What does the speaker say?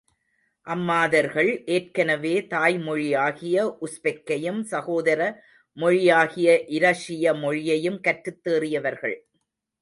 அம்மாதர்கள், ஏற்கெனவே தாய்மொழியாகிய உஸ்பெக்கையும் சகோதர மொழியாகிய இரஷிய மொழியையும் கற்றுத் தேறியவர்கள்.